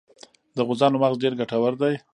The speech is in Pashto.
د غوزانو مغز ډیر ګټور دی.